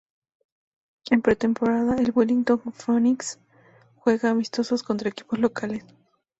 En pretemporada, el Wellington Phoenix juega amistosos contra equipos locales.